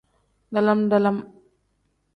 Dalam-dalam.